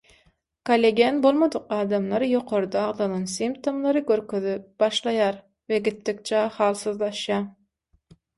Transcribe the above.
Kollagen bolmadyk adamlar ýokarda agzalan symptomlary görkezip başlaýar we gitdikçe halsyzlaşýar.